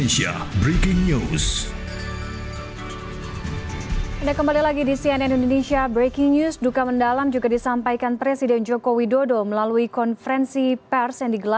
sampai jumpa di video selanjutnya